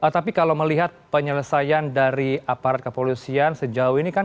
tapi kalau melihat penyelesaian dari aparat kepolisian sejauh ini kan